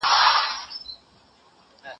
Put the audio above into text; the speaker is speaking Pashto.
زه کولای سم اوبه پاک کړم.